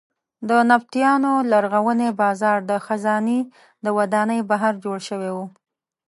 د نبطیانو لرغونی بازار د خزانې د ودانۍ بهر جوړ شوی و.